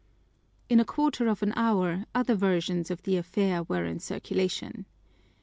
In a quarter of an hour other versions of the affair were in circulation.